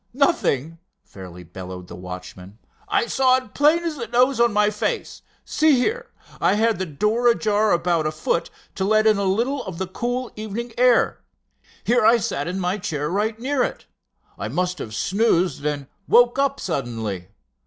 "Nothing!" fairly bellowed the watchman. "I saw it plain as the nose on my face. See here, I had the door ajar about a foot to let in a little of the cool evening air. Here I sat in my chair right near it. I must have half snoozed and woke up suddenly.